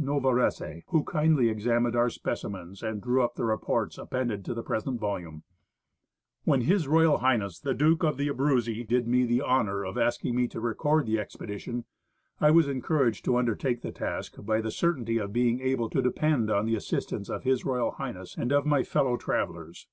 Novarese, who kindly examined our specimens and drew up the reports appended to the present volume. xi FILIPrO DE FILIl'l'I. PREFACE When H.R.H. the Duke of the Abruzzi did me the honour of asking me to record the expedition, I was encouraged to undertake the task by the certainty of being able to depend upon the assistance of His Royal Highness and of my fellow travellers.